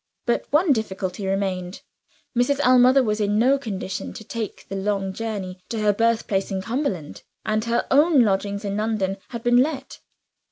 But one difficulty remained. Mrs. Ellmother was in no condition to take the long journey to her birthplace in Cumberland; and her own lodgings in London had been let.